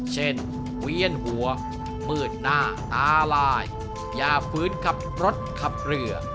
เวียนหัวมืดหน้าตาลายอย่าฟื้นขับรถขับเรือ